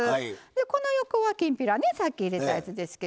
この横はきんぴらねさっき入れたやつですけども。